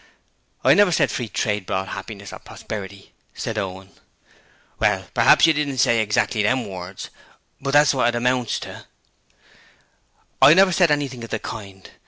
'I never said Free Trade brought happiness or prosperity,' said Owen. 'Well, praps you didn't say exactly them words, but that's wot it amounts to.' 'I never said anything of the kind.